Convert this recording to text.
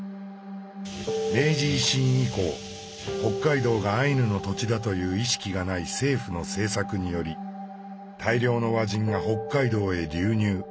明治維新以降北海道がアイヌの土地だという意識がない政府の政策により大量の和人が北海道へ流入。